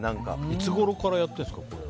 いつごろからやってるんですか？